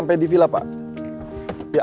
terima kasih ya